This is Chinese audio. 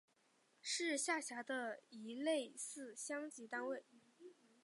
是下辖的一个类似乡级单位。